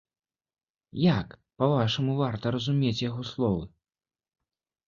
Як, па-вашаму, варта разумець яго словы?